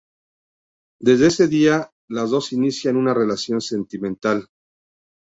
Desde ese día, los dos inician una relación sentimental.